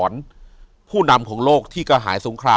อยู่ที่แม่ศรีวิรัยิลครับ